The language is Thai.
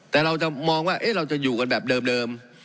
แต่เราจะมองว่าเราจะอยู่กันแบบเดิม